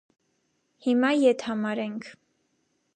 Հիմա ետ համարենք: